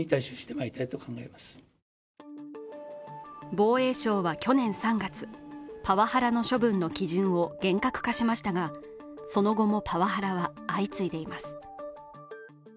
防衛省は去年３月、パワハラの処分の基準を厳格化しましたがその後もパワハラは相次いでいます。